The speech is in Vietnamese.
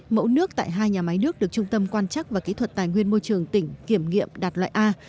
mẫu nước tại hai nhà máy nước được trung tâm quan chắc và kỹ thuật tài nguyên môi trường tỉnh kiểm nghiệm đạt loại a